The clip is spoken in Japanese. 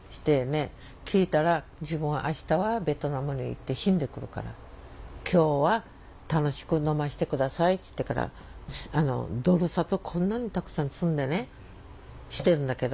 聞いたら「自分はあしたはベトナムに行って死んでくるから今日は楽しく飲ませてください」って言ってからドル札をこんなにたくさん積んでねしてるんだけど。